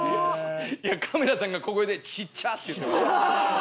カメラさんが小声で「ちっちゃ」って言ってました。